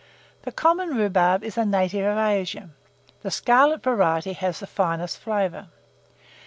The common rhubarb is a native of Asia; the scarlet variety has the finest flavour.